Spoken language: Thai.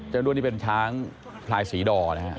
เจ้าด้วนนี่เป็นช้างพลายศรีดอร์นะครับ